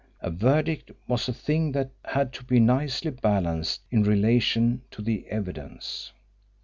A verdict was a thing that had to be nicely balanced in relation to the evidence.